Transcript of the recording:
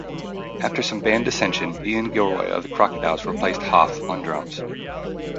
After some band dissension, Ian Gilroy of the Crocodiles replaced Hough on drums.